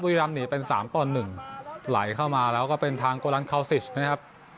บุรีรัมหนีเป็นสามต่อหนึ่งไหลเข้ามาแล้วก็เป็นทางโกรันคาวซิชนะครับ